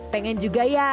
pengen juga ya